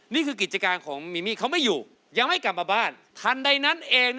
นี่คือกิจการของมิมีคเขาไม่อยู่